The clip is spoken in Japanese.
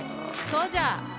そうじゃ！」